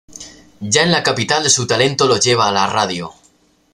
Ya en la capital, su talento lo lleva a la radio.